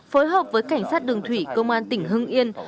phối hợp với cảnh sát đường thủy công an tỉnh hưng yên